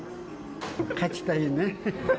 勝ちたいね。